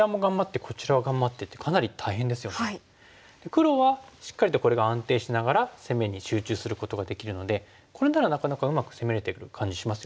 黒はしっかりとこれが安定しながら攻めに集中することができるのでこれならなかなかうまく攻めれてる感じしますよね。